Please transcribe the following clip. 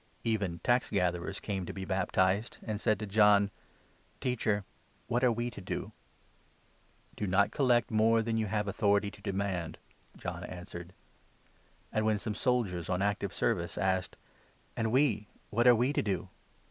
Even tax gatherers came to be baptized, and said to John : 12 " Teacher, what are we to do ?"" Do not collect more than you have authority to demand," 13 John answered. And when some soldiers' on active service 14 asked " And we— what are we to do